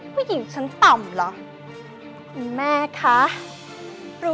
ผู้หญิงฉันตำเหรอ